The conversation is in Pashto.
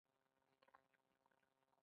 سلیمان غر د افغانستان د شنو سیمو ښکلا ده.